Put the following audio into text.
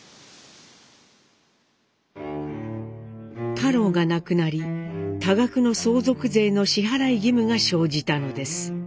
太郎が亡くなり多額の相続税の支払い義務が生じたのです。